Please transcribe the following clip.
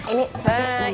ini kasih dua